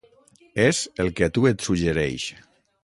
És el que a tu et suggereix.